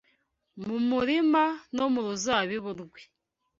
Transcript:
Mu murima no mu ruzabibu rwe